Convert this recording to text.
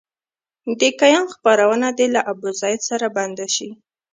د کیان خپرونه دې له ابوزید سره بنده شي.